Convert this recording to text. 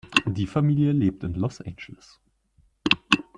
Die Familie lebt in Los Angeles.